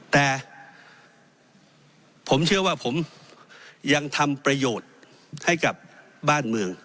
แต่ผมเชื่อว่าผมยังทำประโยชน์ให้กับบ้านเมือง